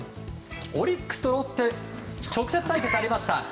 オリックスとロッテ直接対決がありました。